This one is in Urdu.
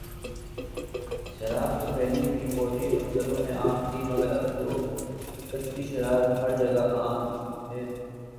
شراب تو پہلے بھی فوجی آفیسروں میں عام تھی مگر اب تو کچی شراب ہر جگہ پی جانے لگی ہے